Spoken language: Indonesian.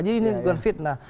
jadi ini bukan fitnah